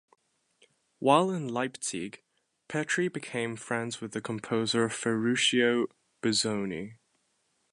While in Leipzig Petri became friends with the composer Ferruccio Busoni.